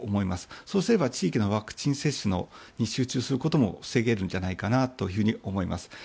そうすれば地域ワクチン接種に集中することも防げるんじゃないかと思います。